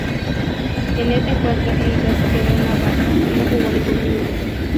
En este encuentro Cirilo se quedó en la banca y no jugó ningún minuto.